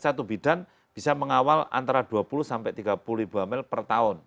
satu bidan bisa mengawal antara dua puluh sampai tiga puluh ibu hamil per tahun